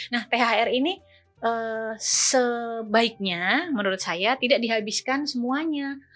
nah thr ini sebaiknya menurut saya tidak dihabiskan semuanya